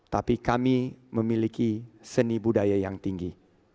tapi kami memiliki seni budaya yang tinggi